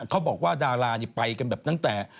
เขาบอกว่าดาราไปกันแบบตั้งแต่